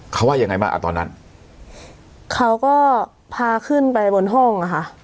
เขาว่ายังไงบ้างอ่ะตอนนั้นเขาก็พาขึ้นไปบนห้องอ่ะค่ะ